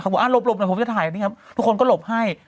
เขาบอกว่าหลบหน่อยผมจะถ่ายทุกคนก็หลบให้